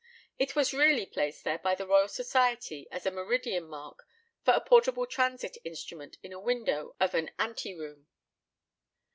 It was really placed there by the Royal Society as a meridian mark for a portable transit instrument in a window of an ante room.